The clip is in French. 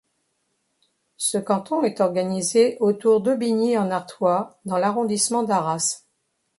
Ce canton est organisé autour d'Aubigny-en-Artois dans l'arrondissement d'Arras.